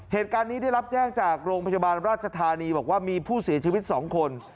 เหตุการณ์นี้ได้รับแจ้งจากโรงพยาบาลราชธานีบอกว่ามีผู้เสียชีวิต๒คน